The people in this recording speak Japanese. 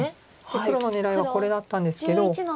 黒の狙いはこれだったんですけど。